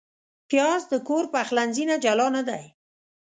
پیاز د کور پخلنځي نه جلا نه دی